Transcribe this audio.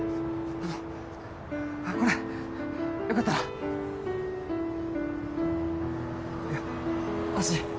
あのこれよかったらいや足